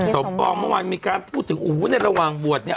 ปองเมื่อวานมีการพูดถึงโอ้โหในระหว่างบวชเนี่ย